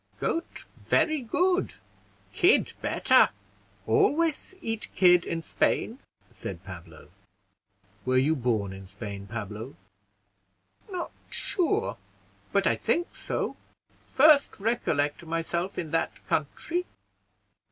"Goat very good, kid better; always eat kid in Spain," said Pablo. "Were you born in Spain, Pablo?" "Not sure, but I think so. First recollect myself in that country."